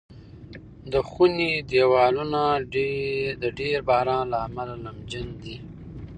د خونې دېوالونه د ډېر باران له امله نمجن دي.